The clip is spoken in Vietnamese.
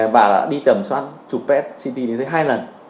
và đã đi tầm soát chụp pet ct đến thứ hai lần